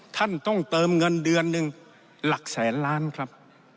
ท่านต้องเติมเงินเดือนหนึ่งหลักแสนล้านครับ